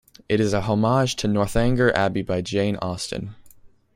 It is a homage to "Northanger Abbey" by Jane Austen.